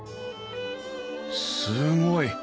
すごい！